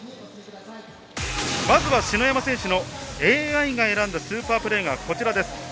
まずは篠山選手のＡＩが選んだスーパープレーがこちらです。